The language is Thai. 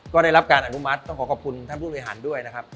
ก็ได้รับการอนุมัติต้องขอขอบคุณท่านผู้บริหารด้วยนะครับ